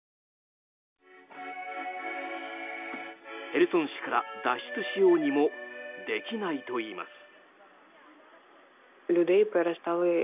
ヘルソン市から脱出しようにもできないといいます。